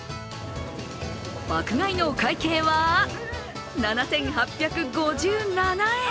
爆買いのお会計は７８５７円。